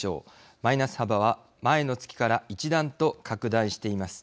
マイナス幅は前の月から一段と拡大しています。